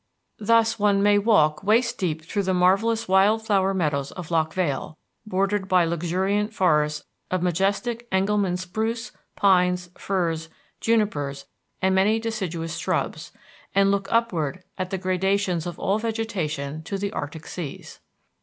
Thus one may walk waist deep through the marvellous wild flower meadows of Loch Vale, bordered by luxuriant forests of majestic Engelmann spruce, pines, firs, junipers, and many deciduous shrubs, and look upward at the gradations of all vegetation to the arctic seas.